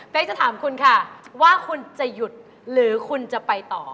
เป็นจะถามคุณค่ะว่าคุณจะหยุดหรือคุณจะไปต่อ